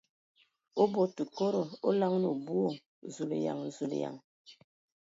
O bɔ tǝ kodo ! O laŋanǝ o boo !... Zulayan ! Zulǝyan!